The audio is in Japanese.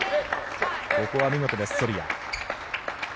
ここは見事です、ソルヤ。